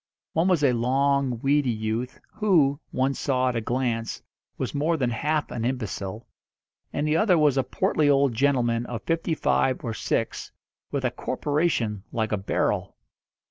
One was a long, weedy youth, who, one saw at a glance, was more than half an imbecile; and the other was a portly old gentleman of fifty five or six, with a corporation like a barrel.